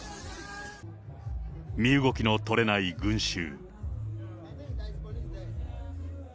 身動きの取れない群集。